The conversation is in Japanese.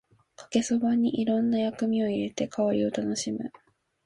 かけそばにいろんな薬味を入れて香りを楽しむ